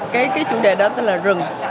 cái chủ đề đó tên là rừng